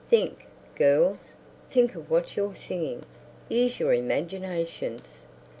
Think, girls, think of what you're singing. Use your imaginations.